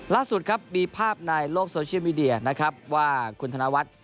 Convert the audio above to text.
ล่าสุดครับมีภาพในโลกโซเชียลมีเดียนะครับว่าคุณธนวัฒน์